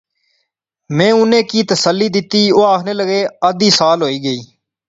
میں انیں کی تسلی دیتی۔ او آخنے لغے، ادھی سال ہوئی گئی